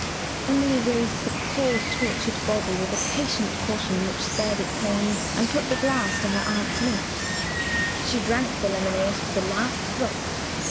Emily raised the poor tortured body with a patient caution which spared it pain, and put the glass to her aunt's lips. She drank the lemonade to the last drop.